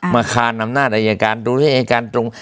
คานอำนาจอายการดูให้อายการตรง